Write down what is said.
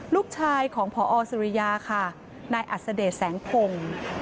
ลูกชายของพอสุริยาค่ะนายอัศเดชแสงพงศ์